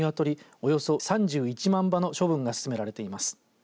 およそ３１万羽の処分が進められています。